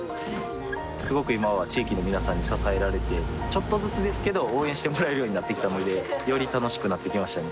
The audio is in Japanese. すごく今は地域の皆さんに支えられてちょっとずつですけど応援してもらえるようになってきたのでより楽しくなってきましたね